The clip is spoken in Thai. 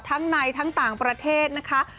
ทั้งในทั้งต่างประเทศนะคะ